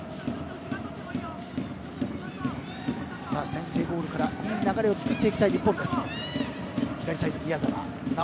先制ゴールからいい流れを作っていきたい日本。